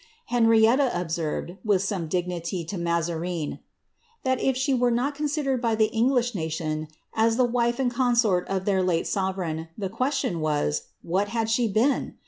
enrietia observed, with some dignity, to Mazarine, ^ that if she were considered by the English nation as the wife and consort of their sovereign, the question was, what had she been